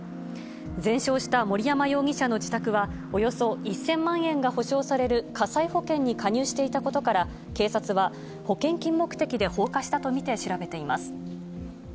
全焼した森山容疑者の自宅は、およそ１０００万円が補償される火災保険に加入していたことから、警察は保険金目的で放火したと見て調べています。